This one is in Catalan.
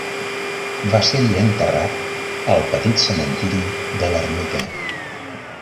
Va ser-hi enterrat al petit cementiri de l'ermita.